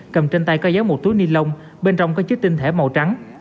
cầm trên tay có dấu một túi ni lông bên trong có chiếc tinh thẻ màu trắng